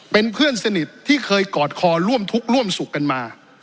เป็นเพื่อนสนิทที่เคยกอดคอร่วมทุกข์ร่วมสุขกันมา